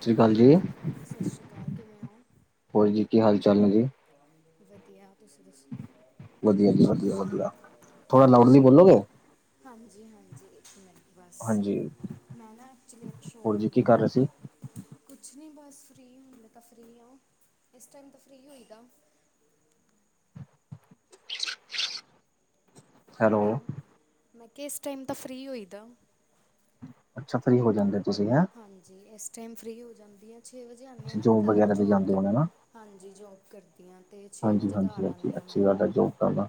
ਸੀ ਕਾਲ ਜੀ ਸਤਿ ਸ਼੍ਰੀ ਅਕਾਲ ਕਿਵੇਂ ਹੋ ਹੋਰ ਜੀ ਕੀ ਹਾਲ ਚਾਲ ਨੇ ਜੀ। ਵਧੀਆ ਤੁਸੀਂ ਦੱਸੋ। ਵਧੀਆ ਜੀ, ਵਧੀਆ, ਵਧੀਆ। ਥੋੜਾ ਲਾਊਡਲੀ ਬੋਲੋਗੇ? ਹਾਂਜੀ-ਹਾਂਜੀ, ਇੱਕ ਮਿੰਨ ਬਸ ਹਾਂਜੀ ਮੈਂ ਨਾ ਐਕਚੁਲੀ ਇੱਕ ਸ਼ੋਰ ਹੋਰ ਜੀ ਕੀ ਹੁੰਦਾ ਨਾ। ਕਰ ਰਹੇ ਸੀ ਕੁਛ ਨਹੀਂ ਬਸ ਫਰੀ ਹੁਣ ਮੈਂ ਤਾਂ ਫਰੀ ਹ ਇਸ ਟਾਈਮ ਤਾਂ ਫਰੀ ਹੋਈਦਾ। ਹੈਲੋ, ਮੈਂ ਕੇਆ ਇਸ ਟੈਮ ਤਾਂ ਫਰੀ ਹੋਈ ਦਾ। ਅੱਛਾ ਫ੍ਰਰੀ ਹੋ ਜਾਂਦੇ ਤੁਸੀਂ ਹੈਂ। ਹਾਂਜੀ ਇਸ ਟਾਈਮ ਫਰੀ ਹੋ ਜਾਂਦੀ ਐ ਛੇ ਵਜੇ ਆਨੀ ਆ ਨਾ ਮੈਂ ਜੋਬ ਘਾਰ ਵਗੈਰਾ ਤੇ ਜੋਬ ਜਾਂਦੇ ਕਰ ਹੋਣੇ ਨਾ ਹਾਂਜੀ ਜੋਬ ਕਰਦੀ ਹਾਂ ਤੇ ਛੇ ਹਾਂਜੀ ਵਜੇ ਹਾਂਜੀ ਘਰ ਹਾਂਜੀ ਆੰਨੀ ਆ ਅੱਛੀ ਮੈਂ। ਗੱਲ ਹੈ ਜੋਬ ਕਰਨਾ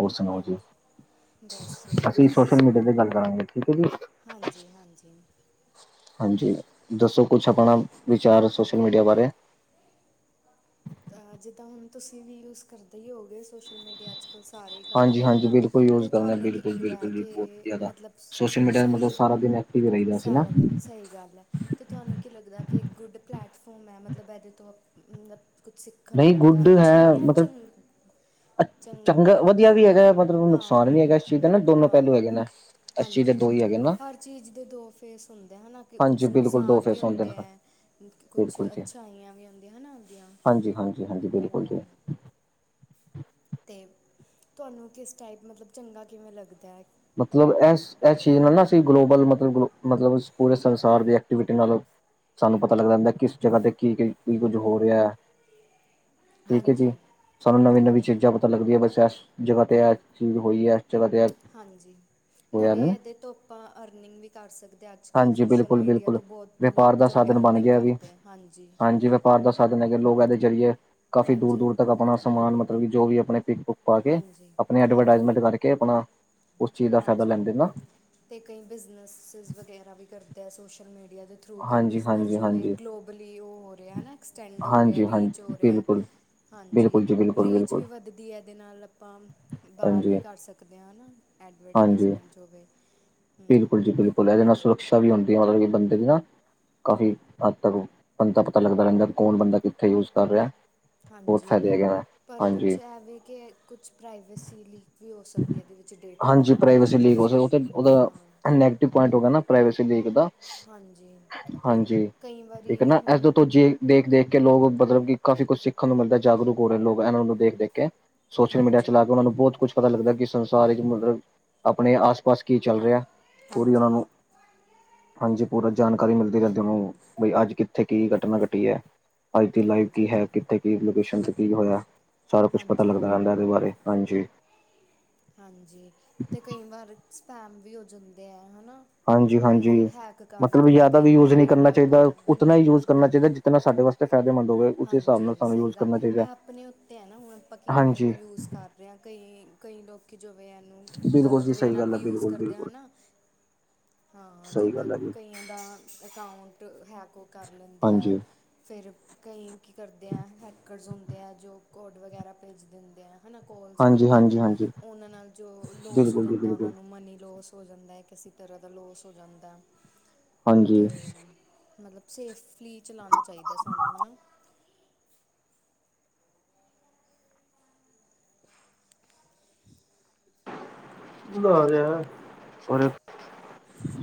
ਹੋਰ ਸੁਣਾਓ ਜੀ, ਹਾਂਜੀ ਬਸ ਛੇ ਵਜੇ ਅਸੀਂ ਸੋਸ਼ਲ ਮੀਡੀਆ ਤੇ ਗੱਲ ਕਰਾਂਗੇ ਠੀਕ ਹੈ ਜੀ। ਹਾਂਜੀ-ਹਾਂਜੀ। ਹਾਂਜੀ ਦੱਸੋ ਕੁਛ ਆਪਣਾ ਵਿਚਾਰ ਸੋਸ਼ਲ ਮੀਡੀਆ ਬਾਰੇ। ਅੱਜ ਹੁਣ ਤੁਸੀਂ ਵੀ ਯੂਜ ਕਰਦੇ ਹੀ ਹੋਗੇ ਸੋਸ਼ਲ ਮੀਡੀਆ'ਚ ਬੁ ਸਾਰੇ ਹੀ ਕਰ ਹਾਂਜੀ ਰਹੇ ਹਾਂਜੀ ਹਨਾ ਬਿਲਕੁਲ ਯੂਜ ਤੇ ਕਰਨਾ ਤੁਹਾਨੂੰ ਕੀ ਬਿਲਕੁਲ ਲੱਗਦਾ ਹੈ ਬਿਲਕੁਲ ਜੀ ਬਹੁਤ ਕਿ ਜ਼ਿਆਦਾ ਮਤਲਬ ਸੋਸ਼ਲ ਮੀਡੀਆ ਮਤਲਬ ਸਹੀ ਸਾਰਾ ਦਿਨ ਐਕਟਿਵ ਰਹੀਦਾ ਸੀ ਨਾ ਸਾਰਾ ਦਿਨ ਸਹੀ ਗੱਲ ਹੈ। ਅਤੇ ਤੁਹਾਨੂੰ ਕੀ ਲੱਗਦਾ ਕਿ ਗੁੱਡ ਪਲੈਟਫੋਮ ਹੈ ਮਤਲਬ ਇਹਦੇ ਤੋਂ ਮਤਲਬ ਕੁਛ ਸਿੱਖਣ ਨੂੰ ਨਹੀਂ ਗੁੱਡ ਮਿਲਦਾ ਅੱਛਾ ਹੈ ਜਾਂ ਮਤਲਬ ਚੰ ਚੰਗਾ ਵਧੀਆ ਵੀ ਹੈਗਾ ਮਤਲਬ ਹਾਂ ਨੁਕਸਾਨ ਵੀ ਹੈਗਾ ਇਸ ਚੀਜ਼ ਦਾ ਨਾ ਦੋਨੋ ਹਾਂ ਪਹਿਲੂ ਹੈਗੇ ਨੇ। ਇਸ ਚੀਜ਼ ਦੇ ਹਾਂਜੀ, ਦੋ ਹੀ ਹੈਗੇ ਨਾ ਹਰ ਚੀਜ਼ ਦੇ ਦੋ ਫੇਸ ਹੁੰਦੇ ਹੈਨਾ ਕਿ ਹਾਂਜੀ ਕੁਛ ਬਿਲਕੁਲ ਦੋ ਨੁਕਸਾਨ ਵੀ ਫੇਸ ਨੇ ਹੁੰਦੇ ਐ ਕ-ਕੁਛ ਬਿਲਕੁਲ ਜੀ ਅੱਛਾਈਆਂ ਵੀ ਆਂਦੀਆਂ ਹੈ ਨਾ ਉਦੀਆਂ। ਹਾਂਜੀ ਹਾਂਜੀ ਹਾਂਜੀ ਬਿਲਕੁਲ ਜੀ। ਤ ਤੁਹਾਨੂੰ ਕਿਸ ਟਾਈਪ ਮਤਲਬ ਚੰਗਾ ਕਿਵੇਂ ਲੱਗਦੈ? ਮਤਲਬ ਇਸ ਇਸ ਚੀਜ਼ ਨਾਲ ਨਾ ਅਸੀਂ ਗਲੋਬਲ ਮਤਲਬ ਗਲੋ ਮਤਲਬ ਪੂਰੇ ਸੰਸਾਰ ਦੀ ਐਕਟੀਵਿਟੀ ਨਾਲੋਂ। ਸਾਨੂੰ ਪਤਾ ਲੱਗਦਾ ਰਦਾ ਕਿਸ ਜਗ੍ਹਾ ਤੇ ਕੀ ਕੀ ਕੁੱਝ ਹੋ ਰਿਹਾ। ਠੀਕ ਐ ਜੀ ਹਾਂਜੀ ਸਾਨੂੰ ਨਵੀਂ ਨਵੀਂ ਹਾਂਜੀ ਚੀਜ਼ਾਂ ਪ ਪਤਾ ਲੱਗਦੀ ਹੈ ਬਸ ਇਸ ਜਗਾ ਤੇ ਇਹ ਚੀਜ਼ ਹੋਈ ਹੈ ਇਸ ਜਗਾ ਤੇ ਹਾਂਜੀ। ਹੋਇਆ ਨਾਲੇ ਇਹਦੇ ਤੋਂ ਆਪਾਂ ਅਰਨਿਗ ਵੀ ਕਰ ਸਕਦੇ ਹਾਂ ਅੱਜ ਕੱਲ੍ਹ ਹਾਂਜੀ ਸੋਸ਼ਲ ਬਿਲਕੁਲ ਮੀਡੀਆ ਬਿਲਕੁਲ ਤੋਂ ਬਹੁਤ। ਵਪਾਰ ਲੋਕ ਦਾ ਜੋ ਵੀ ਅਰਨਿੰਗ ਕਰਦੇ ਹੈ ਹਾਂਜੀ। ਬਾਰ ਦਾ ਸਾਧਨ ਹੈਗਾ ਲੋਗਾ ਇਹਦੇ ਜ਼ਰੀਏ ਕਾਫੀ ਦੂਰ ਹਾਂਜੀ ਦੂਰ ਤੱਕ ਆਪਣਾ ਸਮਾਨ ਮਤਲਬ ਜੋ ਵੀ ਆਪਣੇ ਪ ਪਾ ਕੇ ਹਾਂਜੀ ਆਪਣੀ ਹਾਂਜੀ ਐਡਵਰਟਾਈਜ਼ਮੈਂਟ ਕਰਕੇ ਆਪਣਾ ਉਸ ਚੀਜ਼ ਦਾ ਫਾਇਦਾ ਲੈਂਦੇ ਨਾ। ਤੇ ਕਈ ਬਿਜਨਸ ਵਗਰਾ ਵੀ ਕਰਦੇ ਆ ਸੋਸ਼ਲ ਮੀਡੀਆ ਦੇ ਥਰੂ ਕਈ ਹਾਂਜੀ ਬਿਜ਼ਨਸ ਹਾਂਜੀ ਜੋ ਹੋਵੇ ਹਾਂਜੀ ਗਲੋਬਲੀ ਉਹ ਹੋ ਰਿਹਾ ਹੈ ਨਾ ਐਕਸਟੈਂਡ ਹੋ ਰਿਹਾ ਹਾਂਜੀ ਰੀਚ ਹਾਂਜੀ ਹੋ ਰਿਹਾ। ਬਿਲਕੁਲ ਹਾਂਜੀ ਬਿਲਕੁਲ ਜੀ ਬਿਲਕੁਲ ਰੀਚ ਬਿਲਕੁਲ ਵੀ ਵੱਧਦੀ ਹੈ ਇਹਦੇ ਨਾਲ ਆਪਾਂ ਬਾਹਰ ਹਾਂਜੀ ਵੀ ਕਰ ਸਕ ਕਦੇ ਆ ਨਾ ਹਾਂਜੀ ਐਡਵਰਟਾਈਜ਼ਮੈਂਟ ਹੋਵੇ। ਬਿਲਕੁਲ ਜੀ ਬਿਲਕੁਲ ਇਹਦੇ ਨਾਲ ਸੁਰਕ੍ਸ਼ਾ ਵੀ ਹੁੰਦੀ ਹੈ ਮਤਲਬ ਕਿ ਬੰਦੇ ਦੀ ਨਾ ਕਾਫ਼ੀ ਹੱਦ ਤੱਕ ਬੰਦਾ ਪਤਾ ਲੱਗਦਾ ਰਹਿੰਦਾ ਕੌਣ ਬੰਦਾ ਕਿੱਥੇ ਯੂਜ ਕਰ ਰਿਹਾ। ਬਹੁਤ ਹਾਂਜੀ। ਫਾਇਦੇ ਹੈਗੇ ਨੇ ਪਰ ਕੁਛ ਹਾਂਜੀ ਇਹ ਵੀ ਕਿ ਕੁਛ ਪ੍ਰਾਈਵੇਸੀ ਲੀਕ ਵੀ ਹੋ ਸਕਦੀ ਹੈ ਇਹਦੇ ਵਿੱਚ ਡੇਟਾ ਹੈ ਹਾਂਜੀ ਨਾ। ਪ੍ਰਾਈਵੇਸੀ ਲੀਕ ਸੋਸ਼ਲ ਮੀਡੀਆ, ਹੋਦਾ ਹਾਂ ਨੈਟਿਵ ਪੁਆੰਟ ਹੋ ਪ੍ਰਵਿਸੀ ਲੀਕ ਦਾ। ਹਾਂਜੀ ਹਾਂਜੀ ਕਈ ਇਕ ਵਾਰੀ ਨਾ ਹੁਣ ਇਸਦੋ ਤੋਜੀ ਦੇਖ ਦੇਖ ਕੇ ਲੋਕ ਮਤਲਬ ਕਿ ਕਾਫ਼ੀ ਕੁਛ ਸਿੱਖਣ ਨੂੰ ਮਿਲਦਾ ਜਾਗਰੂਕ ਹੋ ਰਹੇ ਲੋਕ ਇਹਨਾਂ ਨੂੰ ਦੇਖ ਦੇਖ ਕੇ। ਸੋਸ਼ਲ ਮੀਡੀਆ ਹਾਂਜੀ ਚਲਾ ਕੇ ਉਹਨਾਂ ਨੂੰ ਬਹੁਤ ਕੁਛ ਪਤਾ ਲੱਗਦਾ ਕਿ ਸੰਸਾਰ ਵਿੱਚ ਮਤਲਬ ਆਪਣੇ ਆਸ ਪਾਸ ਕੀ ਚੱਲ ਰਿਹਾ। ਪੂਰੀ ਉਹਨਾਂ ਹਾਂਜੀ ਨੂੰ ਹਾਂਜੀ ਪੂਰਾ ਜਾਣਕਾਰੀ ਮਿਲਦੀ ਰਹਿੰਦੀ ਉਹਨੂੰ ਬਈ ਅੱਜ ਕਿ ਥੇ ਕੀ ਕਟਨਾ ਕਟੀ ਹੈ, ਅੱਜ ਦੀ ਲਾਈਵ ਹਾਂਜੀ ਕੀ ਹੈ, ਕਿੱਥੇ ਕੀ ਲੋਕੇਸ਼ਨ ਤੇ ਕੀ ਹੋਇਆ। ਸਾਰਾ ਕੁਛ ਪਤਾ ਹਾਂਜੀ ਲੱਗਦਾ ਰੈਂਦਾ ਇਹਦੇ ਬਾਰੇ, ਹਾਂਜੀ। ਹਾਂਜੀ ਤੇ ਕਈ ਵਾਰ ਸਪੈਮ ਵੀ ਹੋ ਜਾਂਦੇ ਹੈ ਹਨਾ। ਹਾਂਜੀ ਕਿ ਹਾਂਜੀ ਹੈਕ ਕਰ ਮਤਲਬ ਲੈਂਦੇ ਆ ਜ਼ਿਆਦਾ ਕਈ ਵੀ ਯੂਜ ਵਾਰੀ ਨਹੀਂੀ ਕਰਨਾ ਡੇਟਾ ਚਾਹੀਦਾ ਹੂੰ ਉਤਨਾ ਹੀ ਯੂਜ ਕਰਨਾ ਚਾਹੀਦਾ ਜਿਤਨਾ ਵਾਸਤੇ ਫਾਇਦੇਮਦ ਹੋਵੇ। ਉਸ ਹਿਸਾਬ ਨਾਲ ਹਾਂਜੀ ਸਾਨੂੰ ਸਹੀ ਯੂਜ ਗੱਲ ਕਰਨਾ ਚਾਹੀਦਾ ਇਹ ਆਪਣੇ ਉੱਤੇ ਹੈ ਨਾ ਹੁਣ ਆਪਾਂ ਕਿਵੇਂ ਹਾਂਜੀ ਉਹਨੂੰ ਯੂਜ਼ ਕਰ ਰਿਆ ਕਈ-ਕਈ ਲੋਕੀ ਜੋਵੇ ਇਹਨੂੰ ਬਿਲਕੁਲ ਗਲਤ ਜੀ ਵੇਅ ਸਹੀ ਨਾਲ ਗੱਲ ਹੈ ਵੀ ਯੂਜ ਬਿਲਕੁਲ ਕਰਦੇ ਬਿਲਕੁਲ ਹਨ ਨਾ। [unintelligible] ਹਾਂ ਸਹੀ ਜਿੱਦਾਂ ਗੱਲ ਹੈ ਜੀ। ਕਈਆਂ ਦਾ ਅਕਾਊਂਟ ਹੈਕ ਉਹ ਕਰ ਲੈਂਦੇ ਹੈ। ਹਾਂਜੀ ਫਿਰ ਕਈ ਕੀ ਕਰਦੇ ਆ ਹੈਕਰਸ ਹੁੰਦੇ ਆ ਜੋ ਕੋਡ ਵਗੈਰਾ ਭੇਜਦੇ ਹੁੰਦੇ ਆ ਹੈ ਨਾ। ਕੋਲਸ ਹਾਂਜੀ ਕਰਦੇ ਆ ਅਤੇ ਹਾਂਜੀ ਹਾਂਜੀ ਉਹਨਾਂ ਨਾਲ ਜੋ ਲੋਸ ਹੋ ਬਿਲਕੁਲ ਜੀ ਜਾਂਦਾ ਉਹਨਾਂ ਬਿਲਕੁਲ ਨੂੰ ਮਨੀ ਲੋਸ ਹੋ ਜਾਂਦਾ ਇੱਕ ਕਿਸੇ ਤਰ੍ਹਾਂ ਦਾ ਲੋਸ ਹੋ ਜਾਂਦਾ ਤੈ। ਹਾਂਜੀ ਮਤਲਬ ਸੇਫਲੀ ਚਲਾਣਾ ਚਾਹੀਦਾ ਸਾਨੂੰ ਹੈ ਨਾ [inaudible]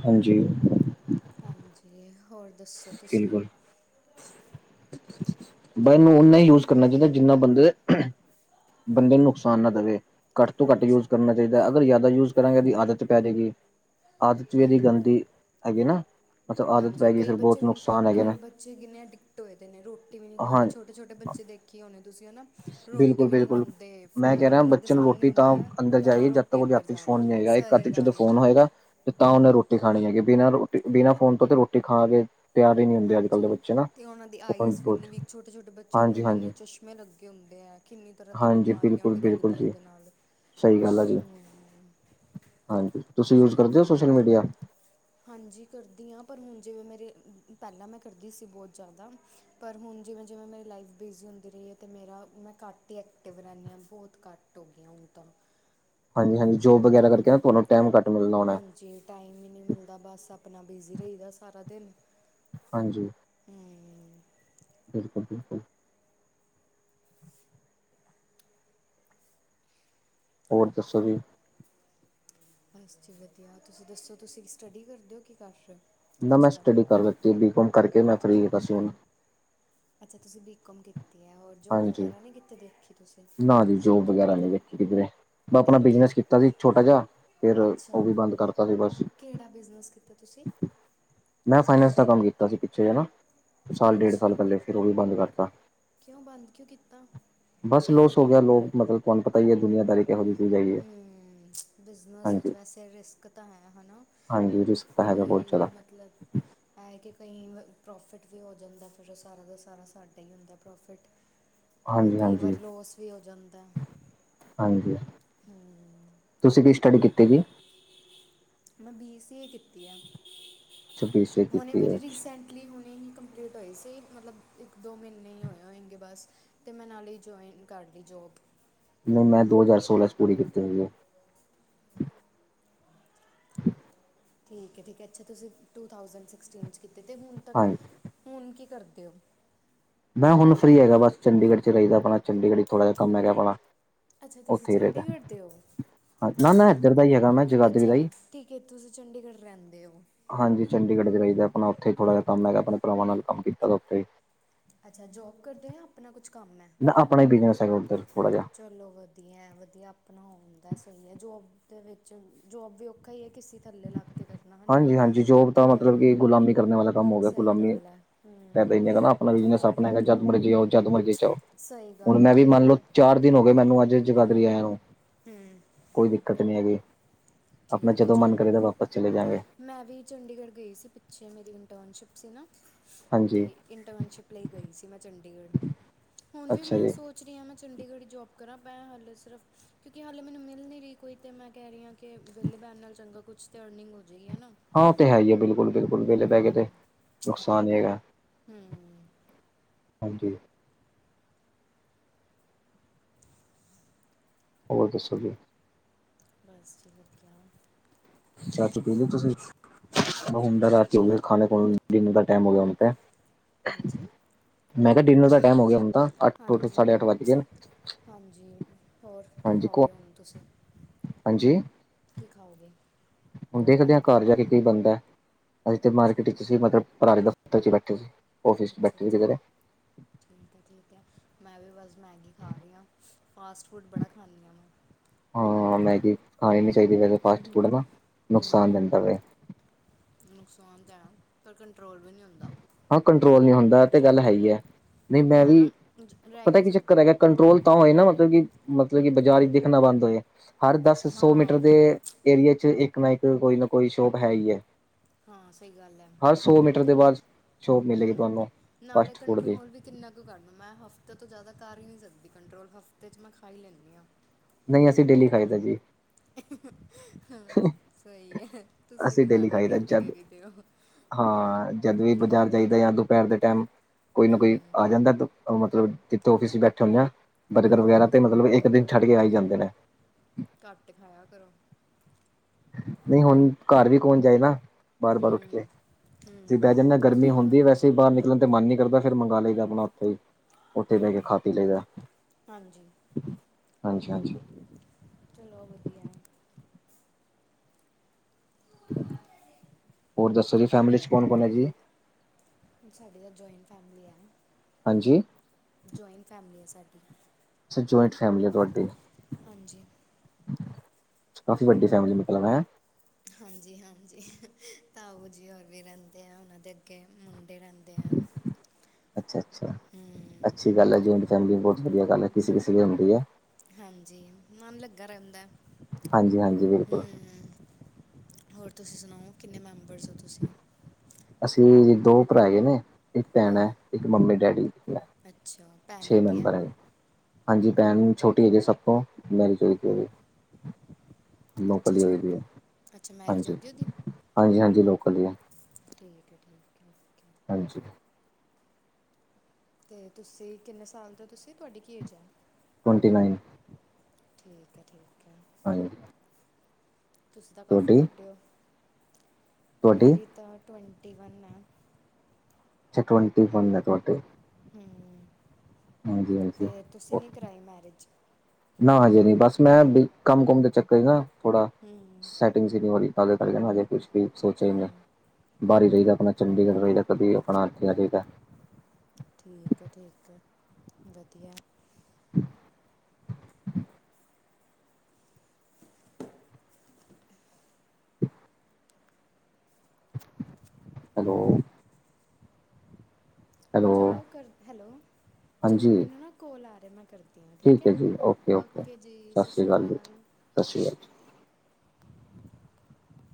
ਹਾਂਜੀ। ਹਾਂਜੀ! ਹੋਰ ਦੱਸੋ ਤੁਸੀਂ। ਬਿਲਕੁਲ ਬ ਇਹਨੂੰ ਓਨਾ ਹੀ ਯੂਜ ਕਰਨਾ ਚਾਹੀਦਾ। ਜਿੰਨਾ ਬੰਦੇ ਬੰਦੇ ਨੂੰ ਨੁਕਸਾਨ ਨਾ ਦੇਵੇ ਘੱਟ ਤੋਂ ਘੱਟ ਯੂਜ਼ ਹਾਂਜੀ ਕਰਨਾ ਹੀ ਅਗਰ ਜ਼ਿਆਦਾ ਯੂਜ ਕਰਾਂਗੇ ਇਹਦੀ ਆਦਤ ਪੈ ਜੇਗੀ ਆਦਤ ਵੀ ਇਹਦੀ ਹੂੰ ਗੰਦੀ। ਹੈਗੇ ਨਾ, ਮਤਲਬ ਆਦਤ ਹਾਂਜੀ ਪੈ ਗਈ ਕਈ ਫਿਰ ਬਹੁਤ ਨੁਕਸਾਨ ਹੈਗੇ ਕਈ ਨੇ ਬੱਚੇ ਕਿੰਨੇ ਟਿਕਟ ਹੋਏ ਦੇ ਨੇ, ਰੋਟੀ ਵੀ ਨਹੀਂ ਹਾਂ ਖਾਂਦੇ। ਛੋਟੇ ਬਚੇ ਦੇਖੇ ਹੋਨੇ ਤੁਸੀ ਹਨਾ। ਰੋਟੀ ਵੀ ਨਹੀਂ ਬਿਲਕੁਲ-ਬਿਲਕੁਲ ਖਾਂਦੇ ਮੈਂ ਕੈਂ ਫੋਨ ਰਿਆਂ, ਉਹਨਾਂ ਦੇ ਬੱਚੇ ਨੂੰ ਸਾਹਮਣੇ ਰੋਟੀ ਤਾਂ ਹੁੰਦਾ ਉਹ ਹੈ ਅੰਦਰ ਤਾਂ ਜਾਈਗੀ ਜਦ ਰੋਟੀ ਓਦੇ ਅੰਦਰ ਹੱਥ ਚ ਜਾ ਫੋਨ ਨਹੀ ਰਹੀ ਹੈਗਾ ਇੱਕ ਹੱਥ ਸਹੀ ਚ ਜਦੋਂ ਗੱਲ ਹੈ ਫੋਨ ਹੋਏਗਾ, ਬਿਲਕੁਲ ਤੇ ਤਾਂ ਉਹਨੇ ਹੂੰ ਰੋਟੀ ਖਾ ਹੈਗੇ ਬਿਨਾਂ ਰੋਟੀ ਬਿਨਾਂ ਫੋਨ ਤੋਂ ਤੇ ਰੋਟੀ ਖਾਗੇ ਹਾਂਜੀ, ਅਤੇ ਉਹਨਾਂ ਦੀ ਆਈਜ਼ ਵੀ ਇੰਨੀ ਵੀਕ ਛੋਟੇ ਛੋਟੇ ਬੱਚਿਆਂ ਨੂੰ ਇੰਨੇ ਇੰਨੇ ਹਾਂਜੀ-ਹਾਂਜੀ, ਚਸ਼ਮੇ ਲੱਗੇ ਹੁੰਦੇ ਐ। ਕਿੰਨੀ ਤਰ੍ਹਾਂ ਦੀ ਹਾਂਜੀ ਬਿਮਾਰੀਆਂ ਵੀ ਬਿਲਕੁਲ-ਬਿਲਕੁਲ ਲੱਗਦੀਆਂ ਜੀ। ਇਹਦੇ ਨਾਲ। ਸਹੀ ਗੱਲ ਆ ਜੀ ਹੁੰ ਹਾਂਜੀ! ਤੁਸੀਂ ਯੂਜ਼ ਕਰਦੇ ਓ ਸੋਸ਼ਲ ਮੀਡੀਆ? ਹਾਂਜੀ ਕਰਦੀ ਆਂ ਪਰ ਹੁਨ ਜਿਵੇਂ ਮੇਰੇ ਪੈਂਲਾਂ ਮੈਂ ਕਰਦੀ ਸੀ ਬਹੁਤ ਜ਼ਿਆਦਾ ਪਰ ਹੁਨ ਜਿਵੇਂ -ਜਿਵੇਂ ਮੇਰੀ ਲਾਈਫ ਬਿਜ਼ੀ ਹੁੰਦੀ ਰਈ ਏ, ਤੇ ਮੇਰਾ ਮੈਂ ਘੱਟ ਹੀ ਐਕਟਿਵ ਰਹਿੰਦੀ ਹਾਂ ਬਹੁਤ ਘੱਟ। ਟੋਗੀਆਂ ਹੁਣ ਤਾਂ [unintelligible] [unintelligible] ਹਾਂਜੀ-ਹਾਂਜੀ ਜੋਬ ਵਗੈਰਾ ਕਰਕੇ ਨਾ ਤੁਹਾਨੂੰ ਟੈਮ ਘੱਟ ਮਿਲਦਾ ਹੋਣੈ। ਜੀ ਟਾਈਮ ਈਂ ਨੀੰ ਮਿਲਦਾ ਬਸ ਆਪਨਾ ਬਿਜ਼ੀ ਰਈਦਾ ਸਾਰਾ ਦਿਨ। ਹਾਂਜੀ। ਹੂੰ ਬਿਲਕੁਲ-ਬਿਲਕੁਲ। ਹੋਰ ਦੱਸੋ ਜੀ। ਬਸ ਜੀ ਵਧੀਆ, ਤੁਸੀ ਦੱਸੋ ਤੁਸੀ ਕੀ ਸਟੱਡੀ ਕਰਦੇਓ ਕੀ ਕੀ ਕਰ ਚ? ਨਾ ਮੈਂ ਸਟੱਡੀ ਕਰ ਲਿੱਤੀ ਬੀਕੋਮ ਕਰਕੇ ਮੈਂ ਫਰੀ ਬਸ ਹੁਨ। ਅੱਛਾ, ਤੁਸੀਂ ਬੀਕੌਮ ਕੀਤਾ ਹਾਂਜੀ, ਤੁਸੀਂ ਨਾ ਜੀ ਜੋਬ ਵਗੈਰਾ ਨਹੀਂ ਦੇਖੀ ਕਿਧਰੇ। ਮੈਂ ਅਤੇ ਆਪਣਾ ਅੱਗੇ ਬਿਜਨਸ ਕੀਤਾ ਸੀ, ਛੋਟਾ ਜਿਆ ਫਿਰ ਅੱਛਾ ਓ ਵੀ ਬੰਦ ਕਰਤਾ ਸੀ ਬਸ। ਕਿਹੜਾ ਬਿਜ਼ਨਸ ਕੀਤਾ ਤੁਸੀਂ ਮੈਂ ਫਾਈਨੈਂਸ ਦਾ ਕੰਮ ਕੀਤਾ ਸੀ ਪਿੱਛੇ ਹੈ ਨਾ, ਸਾਲ ਡੇਢ ਸਾਲ ਅੱਛਾ ਪਹਿਲੇ ਫਿਰ ਉਹ ਵੀ ਬੰਦ ਕਰਤਾ। ਕਿਉਂ ਬੰਦ ਕਿਉਂ ਕੀਤਾ? ਬਸ ਲੋਸ ਹੋ ਗਿਆ ਲੋਕ ਮਤਲਬ ਤੁਆਂਨ ਪਤਾ ਈ ਐ ਦੁਨੀਆਂਦਾਰੀ ਜਾ [unintelligible] ਹੁੰ, ਬਿਜਨਸ ਵਿੱਚ ਵੈਸੇ ਰਿਸਕ ਤਾਂ ਹੈ ਹਨਾ ਹਾਂਜੀ ਰਿਸਕ ਤਾਂ ਹੈਗਾ ਬਹੁਤ ਕੋਈ ਜ਼ਿਆਦਾ ਮਤਲਬ ਹੈ ਕਿ ਕਈ ਪ੍ਰੋਫਿਟ ਵੀ ਹੋ ਜਾਂਦੈ ਫਿਰ ਸਾਰਾ ਦਾ ਸਾਰਾ ਸਾਡਾ ਈ ਹੁੰਦਾ ਪ੍ਰੋਫਿਟ। ਪਰ ਹਾਂਜੀ ਕਈ ਹਾਂਜੀ ਵਾਰੀ ਲੋਸ ਵੀ ਹੋ ਜਾਂਦੈ। ਹਾਂਜੀ, ਤੁਸੀ ਕੀ ਸਟੱਡੀ ਕੀਤੀ ਜੀ? ਮੈਂ ਬੀ ਸੀ ਏ ਕੀਤੀ ਆ। ਛੱਬੀ ਸੌ ਹੁਣੇ ਕੀਤੀ ਮੇਰੀ ਹੈ ਰੀਸੈਂਟ ਲੀ ਹੁਣੇ ਹੀ ਕੰਪਲੀਟ ਹੋਈ ਸੀ, ਮਤਲਬ ਇੱਕ ਦੋ ਮੀੰਨੇ ਹੀ ਹੋਏ ਹੋਏਗੇਂ ਬਸ। ਤੇ ਮੈਂ ਨਾਲ ਹੀ ਜੁਆਇਨ ਕਰ ਲਈ ਜੋਬ। ਨਈਂ ਮੈਂ ਦੋ ਹਜ਼ਾਰ ਸੋਲਾਂ ਚ ਪੂਰੀ ਕੀਤੀ ਹੋਈ ਏ। ਠੀਕ ਏ ਠੀਕ ਏ ਅੱਛਾ ਤੁਸੀਂ ਟੂ ਥਾਉਸੰਡ ਸਿਕਸਟੀਨ 'ਚ ਕੀਤੇ, ਤੇ ਹੁਣ ਤੱਕ ਹਾਂਜੀ ਹੁਣ ਕੀ ਕਰਦੇ ਓ? ਮੈਂ ਹੁਣ ਫਰੀ ਹੈਗਾ ਬਸ ਚੰਡੀਗੜ੍ਹ ਚ ਰਈਦਾ ਅਪਣਾ ਚੰਡੀਗੜ੍ਹ ਚ ਥੋੜਾ ਕੰਮ ਐਗਾ ਆਪਣਾ। ਅੱਛਾ ਤੁਸੀਂ ਉੱਥੇ ਹੀ ਰਹੇਗਾ ਚੰਡੀਗੜ੍ਹ ਦੇ ਓ? ਨਾ ਨਾ ਇੱਧਰ ਦਾ ਹੀ ਹੈਗਾ ਮੈਂ ਜਗਾਦਰੀ ਦਾ ਅੱਛਾ, ਹੀ ਠੀਕ ਏ ਤੁਸੀਂ ਚੰਡੀਗੜ੍ਹ ਰੈੰਦੇ ਓ। ਹਾਂਜੀ ਚੰਡੀਗੜ੍ਹ ਚ ਰਹੀਦਾ ਆਪਣਾ ਉੱਥੇ ਥੋੜਾ ਜਿ ਕੰਮ ਹੈਗਾ ਆਪਣੇ ਭਰਾਵਾਂ ਨਾਲ ਕੰਮ ਕੀਤਾ ਤਾਂ ਉੱਥੇ ਈ। ਅੱਛਾ, ਜੋਬ ਕਰਦੇ ਆਂ ਆਪਣਾ ਕੁਛ ਕੰਮ ਐ? ਆਪਣਾ ਹੀ ਬਿਜ਼ਨਸ ਹੈਗਾ ੳਧਰ, ਥੋੜ੍ਹਾ ਜਿਹਾ। ਚਲੋ ਵਧੀਐ-ਵਧੀਆ ਆਪਣਾ ਹੁੰਦੈ ਸਹੀ ਐ ਜੋਬ ਦੇ ਵਿੱਚ ਜੋਬ ਵੀ ਔਖਾ ਈ ਏ ਕਿ ਹਾਂਜੀ-ਹਾਂਜੀ ਜੋਬ ਤਾ ਮਤਲਬ ਹੂੰ ਕੀ? ਗੁਲਾਮੀ ਕਰਨੇ ਵਾਲਾ ਕੰਮ ਹੋ ਗਿਆ। ਸਹੀ ਗੁਲਾਮੀ ਗੱਲ ਹੈ ਹੂੰ ਫੈਦਾ ਈ ਨੀ ਹੈਗਾ ਆਪਣਾ ਬਿਜਨਸ ਚਲੋ ਆਪਣਾ ਹੈਗਾ ਵਧੀਆ ਜਦ ਹੈ, ਮਰਜ਼ੀ ਆਓ ਹੂੰ ਜਦ ਮਰਜ਼ੀ ਚ ਜਾਓ। ਸਹੀ ਹੁਣ ਗੱਲ ਮੈਂ ਵੀ ਹੈ ਮੰਨ ਲਓ ਇਹ, ਚਾਰ ਦਿਨ ਹੋ ਗਏ ਮੈਨੂੰ ਅੱਜ ਜਗਾਦਰੀ ਹੂੰ ਆਇਆ। ਹੂੰ ਕੋਈ ਦਿੱਕਤ ਨਹੀ ਹੈਗੀ ਆਪਣਾ ਠੀਕ ਹੈ ਜਦੋਂ ਮਨ ਚਲੋ ਕਰੇ ਤਾਂ ਆਪਾਂ ਚਲੇ ਜਾਏਂਗੇਂ। ਮੈਂ ਵੀ ਚੰਡੀਗੜ੍ਹ ਗਈ ਸੀ ਪਿੱਛੇ ਮੇਰੀ ਇੰਟਰਨਸ਼ਿਪ ਸੀ ਨਾ। ਤੇ ਹਾਂਜੀ ਇੰਟਰਨਸ਼ਿਪ ਲਈ ਗਈ ਸੀ ਮੈਂ ਚੰਡੀਗੜ੍ਹ, ਹੁਨ ਵੀ ਅੱਛਾ ਮੈਂ ਜੀ ਸੋਚ ਪੁੱਛ ਰਹੀ ਹਾਂ ਮੈਂ ਚੰਡੀਗੜ੍ਹ ਜੋਬ ਕਰਾਂ, ਮੈ ਹਾਲੇ ਸਿਰਫ਼ ਕਿਉਂਕਿ ਹਾਲੇ ਮੈਨੂੰ ਮਿਲ ਨਹੀਂ ਰਹੀ ਕੋਈ ਤੇ ਮੈਂ ਕਹਿ ਰਹੀ ਹਾਂ ਕਿ, ਵਿਹਲੇ ਬਹਿਨ ਨਾਲ ਚੰਗਾ, ਕੁਛ ਤਾਂ ਅਰਨਿੰਗ ਹੋ ਜਾਵੇਗੀ ਹੈ ਨਾ ਹਾਂ, ੳਹ ਤੇ ਹੈ ਹੀ ਐ, ਬਿਲਕੁਲ-ਬਿਲਕੁਲ ਵਿਹਲੇ ਬਹਿ ਕੇ ਤੇ ਨੁਕਸਾਨ ਹੀ ਹੈਗਾ। ਹੁੰ। ਹਾਂਜੀ। ਹੋਰ ਦੱਸੋ ਜੀ। ਬਸ ਜੀ ਵਦੀਆਂ। ਚਾ ਚੂ ਪੀ ਲੀ ਤੁਸੀਂ? ਹੁਣ ਤੇ ਰਾਤ ਹੋ ਖਾਣੇ ਖ ਡਿਨਰ ਦਾ ਟਾਈਮ ਹੋ ਗਿਆ ਹੁਣ ਤੇ ਹਾਂਜੀ। ਮੈਂ ਕਿਹਾ, ਡਿਨਰ ਦਾ ਟਾਈਮ ਹੋ ਗਿਆ ਹੁਣ ਤਾਂ। ਅੱਠ ਸਾਢੇ ਹਾਂਜੀ, ਅੱਠ ਵੱਜ ਗਏ ਨੇ ਹਾਂਜੀ, ਹੋਰ ਕੀ ਹਾਂਜੀ ਕੋ ਖਾਓਗੇ ਹਣੂੰ ਤੁਸੀਂ? ਹਾਂਜੀ। ਕੀ ਖਾਓਗੇ? ਹੁੰਨ ਦੇਖਦੇ ਹਾਂ ਰਾਤੀ ਕਾਰ ਜਾ ਕੇ। ਬੰਦਾ, ਅਸੀਂ ਤੇ ਅੱਛਾ ਮਾਰਕੀਟ ਚ ਸੀ ਮਤਲਬ ਪਰਾ ਦੇ ਦਫ਼ਤਰ ਚ ਬੈਠੇ ਸੀ। ਆਫਿਸ ਚ ਬੈਠੇ ਸੀ ਅੱਛਾ-ਅੱਛਾ। ਕਿਧਰੇ ਠੀਕ ਐ, ਠੀਕ ਐ, ਮੈਂ ਵੀ ਬਸ ਮੈਗੀ ਖਾ ਰਹੀ ਆ, ਫਾਸਟ ਫੂਡ ਬੜਾ ਖਾਂਨੀਂ ਹਾਂ ਮੈਂ। ਹਾਂ, ਮੈਗੀ ਖਾਣੀ ਨਹੀ ਚਾਹੀਦੀ, ਵੈਸੇ ਫਾਸਟ ਫੂਡ ਦਾ ਨੁਕਸਾਨ ਹੂੰ ਦਿੰਦਾ ਐ। ਨੁਕਸਾਨ ਤਾਂ ਹੈ, ਪਰ ਕੰਟਰੋਲ ਵੀ ਨਹੀਂ ਹੁੰਦਾ। ਹਾਂ ਕੰਟਰੋਲ ਨੀ ਹੁੰਦਾ, ਐ ਤੇ ਗੱਲ ਹੈ ਹੀ ਐ। ਨਹੀਂ ਮੈਂ ਨਾ ਵੀ, ਜ- ਰਹਿ ਹੀ ਪਤਾ ਨਹੀਂ ਕੀ ਸਕਦੀ ਚੱਕਰ ਹੈਗਾ, ਹੂੰ ਕਂਟਰੋਲ ਤਾਂ ਹੋਏਗਾ, ਮਤਲਬ ਕਿ ਮਤਲਬ ਕਿ, ਬਾਜ਼ਾਰ ਹੀ ਦਿਖਣਾ ਬੰਦ ਹੋ ਜੇ, ਹਰ ਦਸ, ਸੌ ਮੀਟਰ ਹਾਂ ਦੇ ਏਰੀਏ ਚ ਇੱਕ ਨਾ ਇੱਕ ਕੋਈ ਨਾ ਕੋਈ ਸ਼ੋਪ ਹੈ ਹੀ ਐ, ਹਾਂ ਸਹੀ ਗੱਲ ਐ, ਦੇ ਤੈਨ ਬਾਅਦ ਸ਼ੋਪ ਮਿਲੇਗੀ ਹੁੰ ਤੁਹਾਨੂੰ ਨਾਲੇ ਫਾਸਟ ਫੂਡ ਦੀ ਕੰਟਰੋਲ ਵੀ ਕਿੰਨਾ ਕੁ ਕਰਨਾ ਮੈਂ ਹਫ਼ਤੇ ਤੋਂ ਜ਼ਿਆਦਾ ਕਰ ਹੀ ਨਹੀਂ ਸਕਦੀ ਕੰਟਰੋਲ, ਹਫ਼ਤੇ ਚ ਮੈਂ ਖਾਈ ਲੈਂਦੀ ਹਾਂ। ਨਹੀਂ ਅਸੀਂ ਡੇਲੀ ਖਾਈਦਾ ਜੀ। ਹਾਂ, ਸਹੀ ਐ, ਤੁਸੀਂ ਅਸੀਂ ਵੀ ਡੇਲੀ ਸਾਡੀ ਖਾਈਦਾ ਜਦ ਕੈਟੇਗਰੀ ਦੇ ਹੋ। ਹਾਂ, ਜਦ ਵੀ ਬਾਜ਼ਾਰ ਜਾਈਦਾ ਜਾਂ ਦੁਪਹਿਰ ਦੇ ਟਾਈਮ ਕੋਈ ਨਾ ਹੂੰ ਕੋਈ ਆ ਜਾਂਦਾ ਮਤਲਬ ਜਿੱਥੋਂ ਆਫ਼ਿਸ ਚ ਬੈਠੇ ਹੁੰਦੇ ਆਂ। ਬਰਗਰ ਹੂੰ ਵਗੈਰਾ ਤੇ ਹੂੰ ਮਤਲਬ ਇੱਕ ਦਿਨ ਛੱਡ ਕੇ ਆਈ ਜਾਂਦੇ ਨੇ। ਕੱਟ ਖਾਇਆ ਕਰੋ। ਨਹੀਂ ਹੁਣ, ਕਾਰ ਵੀ ਕੌਣ ਜਾਏ ਨਾ ਬਾਰ ਬਾਰ ਉੱਠ ਹੂੰ ਕੇ, ਜ ਬਹਿ ਜਿੰਨਾ ਹੂੰ ਆ ਤਾਂ ਗਰਮੀ ਹੈ ਹੁੰਦੀ ਵੈਸ ਤੇ ਬਾਹਰ ਨਿਕਲਣ ਤੇ ਮਨ ਨਹੀਂ ਕਰਦਾ, ਫੇਰ ਮੰਗਵਾ ਲਈਦਾ ਆਪਣਾ ਉੱਥੇ ਹੀ ਉੱਥੇ ਹੂੰ ਬਹਿ ਕੇ ਖਾ ਪੀ ਲਈ ਦਾ, ਹਾਂਜੀ ਹਾਂਜੀ-ਹਾਂਜੀ। ਚਲੋ ਵਧੀਆ। ਹੋਰ ਦਸੋ ਜੀ ਫੈਮਲੀ ਚ ਕੌਣ-ਕੌਣ ਹੈ ਜੀ? ਸਾਡੀ ਤਾਂ ਜੋਇੰਟ ਫੈਮਿਲੀ ਹੈ ਨਾ। ਹਾਂਜੀ। ਜੋਇੰਟ ਫੈਮਿਲੀ ਐ ਸਾਡੀ। ਅੱਛਾ, ਜੋਇੰਟ ਫੈਮਲੀ ਆ ਤੁਹਾਡੀ। ਹਾਂਜੀ। ਕਾਫੀ ਵੱਡੀ ਫੈਮਿਲੀ ਮਤਲਬ ਹੈ। ਹਾਂਜੀ-ਹਾਂਜੀ, ਤਾਉ ਜੀ ਹੋਰ ਵੀ ਰਹਿੰਦੇ ਆ ਉਹਨਾਂ ਦੇ ਅੱਗੇ ਮੁੰਡੇ ਰਹਿੰਦੇ ਆ ਅੱਛਾ-ਅੱਛਾ, ਅ ਹੂੰ ਅੱਛੀ ਗੱਲ ਐ, ਜੋਇੰਟ ਫੈਮਿਲੀ ਬਹੁਤ ਵਧੀਆ ਗੱਲ ਕਿਸੇ-ਕਿਸੇ ਦੀ ਹੁੰਦੀ ਐ। ਹਾਂਜੀ, ਮਨ ਲੱਗਾ ਰਹਿੰਦਾ, ਹਾਂਜੀ ਹਾਂਜੀ ਬਿਲਕੁਲ ਹੁੰ। ਹੋਰ ਤੁਸੀਂ ਸੁਣਾਓ, ਕਿੰਨੇ ਮੈਂਬਰਸ ਹੋ ਤੁਸੀਂ? ਅਸੀਂ ਦੋ ਭਰਾ ਹੈਗੇ ਨੇ, ਇੱਕ ਪੈਣ ਐ, ਹੂੰ ਇੱਕ ਮੰਮੀ, ਡੈਡੀ, ਮੈਂ। ਅੱਛਾ। ਭੈਣ ਛੇ ਵੱਡੀ ਮੈਂਬਰ ਹੈ ਹਾਂਜੀ ਭੈਣ ਛੋਟੀ ਹੈ ਜੇ ਸਭ ਤੋਂ ਮੈਰੀ ਜ ਹੋ ਜੇ ਲੋਕਲ ਅੱਛਾ ਹੀ ਹੋ ਦੀ ਛੋਟ ਹੈ ਅੱਛਾ ਮੈਰਿਜ ਹੋ ਹਾਂਜੀ, ਗਈ ਉਹਦੀ ਹਾਂਜੀ, ਹਾਂਜੀ ਲੋਕਲ ਹੀ ਹੈ। ਠੀਕ ਹੈ ਠੀਕ ਹੈ। ਓਕੇ ਹਾਂਜੀ। ਤੇ ਤੁਸੀਂ ਕਿੰਨੇ ਸਾਲ ਤੋਂ ਤੁਸੀਂ ਤੁਹਾਡੀ ਕੀ ਏਜ ਹੈ? Twenty nine. ਠੀਕ ਹੈ, ਠੀਕ ਹੈ। ਹਾਂਜ ਤੁਸੀਂ ਤਾਂ ਕਾਫੀ ਵੱਡੇ ਹੋ, ਤੁਹਾਡੀ ਮੇਰੀ ਤਾਂ ਟਵੈਂਟੀ ਵਨ ਹੈ। ਜੀ ਟ੍ਵੇਂਟੀ ਵਨ ਨੇ ਤੁਹਾਡੇ ਹਮ ਹਾਂਜੀ ਹਾਂਜੀ ਫਿਰ ਤੁਸੀਂ ਨੀ ਕਰਾਈ ਮੈਰਿਜ। ਨਾ ਹਜੇ ਨੀ ਬਸ ਮੈਂ ਕੰਮ ਕੁਮ ਦੇ ਚੱਕਰ ਹੀ ਨਾ ਥੋੜਾ ਹੂੰ ਸੈਟਿੰਗ ਸੀ ਨਹੀਂ ਹੋਰੀ ਤ ਕਰਕੇ ਹਜੇ ਮੈ ਕੁਛ ਵੀ ਸੋਚਿਆ ਹੀ ਮੈਂ ਹੂੰ ਬਾਹਰ ਹੀ ਰਹੀਦਾ, ਆਪਣਾ ਚੰਡੀਗੜ੍ਹ ਰਹੀਦਾ ਕਦੀ ਆਪਣਾ ਇੱਥੇ ਆ ਜਈ ਦਾ। ਠੀਕ ਹੈ ਠੀਕ ਵਧੀਆ। ਹੈਲੋ। ਹੈਲੋ ਚਲੋ ਕਰ ਹੈਲੋ ਚਲੋ ਹਾਂਜੀ ਮੈਨੂੰ ਨਾ ਕੋਲ ਆ ਰਿਹਾ ਮੈਂ ਕਰਦਾ ਹੁਣ ਠੀਕ ਹੈ ਓਕੇ ਜੀ ਸਤਿ ਸ਼੍ਰੀ ਅਕਾਲ। ਸਤਿ ਸ਼੍ਰੀ ਅਕਾਲ।